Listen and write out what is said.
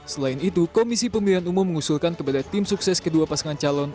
selain itu komisi pemilihan umum mengusulkan kepada tim sukses kedua pasangan calon